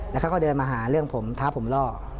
แล้วเขาก็เดินมาหาเรื่องผมท้าผมลอก